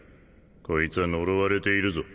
こいつは呪われているぞ。